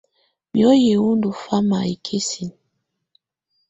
Mùoyi wɔ ndɔ fama ikisinǝ.